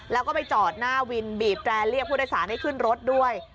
แล้วก็ไปจอดหน้าวินบีบแตรเรียกผู้โดยสารให้ขึ้นรถด้วย